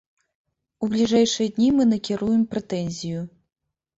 У бліжэйшыя дні мы накіруем прэтэнзію.